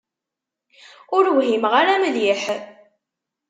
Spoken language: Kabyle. Ur whimeɣ ara mliḥ.